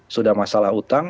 sudah masalah utang